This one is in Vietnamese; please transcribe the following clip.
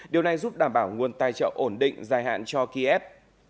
điều này giúp đảm bảo nguồn tài trợ ổn định dài hạn cho kiev